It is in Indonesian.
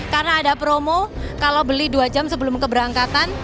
karena ada promo kalau beli dua jam sebelum keberangkatan